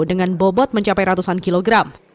dengan bobot mencapai ratusan kilogram